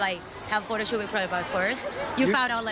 ไม่ว่าจะปีนจากแย่ละนะ